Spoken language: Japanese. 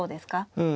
うん。